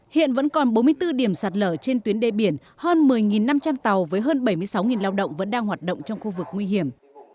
hiện vẫn còn bốn mươi bốn điểm sạt lở trên tuyến đê biển hơn một mươi năm trăm linh tàu với hơn bảy mươi sáu lao động vẫn đang hoạt động trong khu vực nguy hiểm